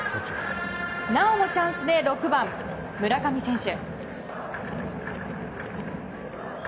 なおもチャンスで６番、村上選手。